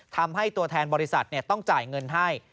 ทำให้ตัวแทนบริษัทต้องจ่ายเงินให้